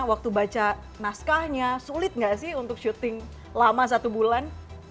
waktu baca naskahnya sulit nggak sih untuk syuting lama satu bulan